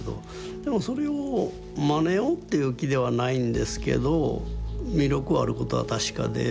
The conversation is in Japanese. でもそれをまねようっていう気ではないんですけど魅力あることは確かで。